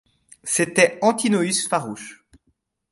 C’était Antinoüs farouche.